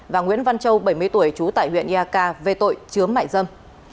và nguyễn văn châu bảy mươi tuổi chú tại huyện ia ca về tội chướm mại dâm